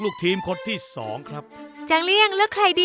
อืมวังลิ้นครับ